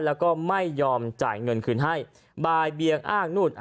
แล้วก็ไม่ยอมจ่ายเงินคืนให้บ่ายเบียงอ้างนู่น